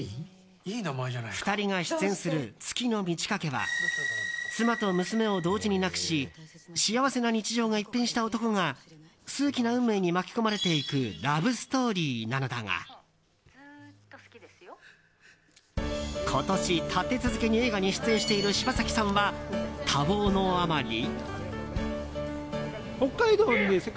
２人が出演する「月の満ち欠け」は妻と娘を同時に亡くし幸せな日常が一変した男が数奇な運命に巻き込まれていくラブストーリーなのだが今年、立て続けに映画に出演している柴咲さんは多忙のあまり。